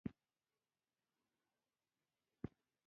د کندهار د بابا ولی وادي د ساساني باغونو یادګار دی